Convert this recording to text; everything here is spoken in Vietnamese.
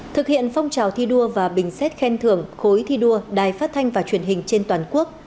thực hiện phong trào thi đua và bình xét khen thưởng khối thi đua đài phát thanh và truyền hình trên toàn quốc